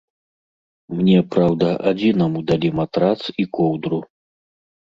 Мне, праўда, адзінаму далі матрац і коўдру.